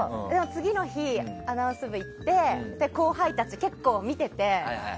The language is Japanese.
次の日、アナウンス部行って後輩たちが結構見てて。